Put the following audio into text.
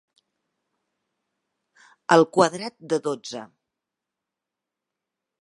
El quadrat de dotze.